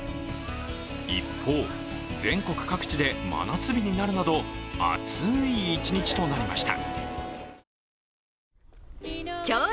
一方、全国各地で真夏日になるなど暑い一日となりました。